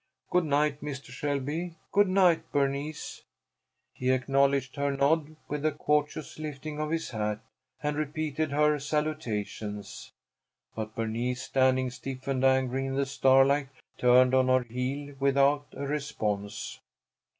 "Good night, Mistah Shelby. Good night, Bernice." He acknowledged her nod with a courteous lifting of his hat, and repeated her salutation. But Bernice, standing stiff and angry in the starlight, turned on her heel without a response.